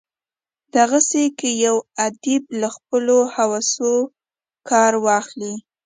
دغسي که یو ادیب له خپلو حواسو کار واخلي.